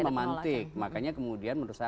memantik makanya kemudian menurut saya